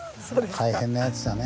大変なやつだね